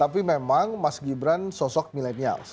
tapi memang mas gibran sosok milenials